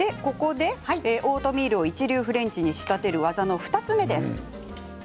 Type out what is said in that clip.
ここでオートミールを一流フレンチに仕立てる技の２つ目です。